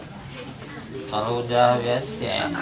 kalau udah biasanya